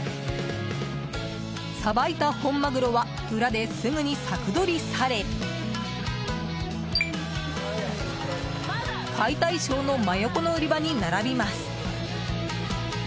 さばいた本マグロは裏ですぐに柵取りされ解体ショーの真横の売り場に並びます。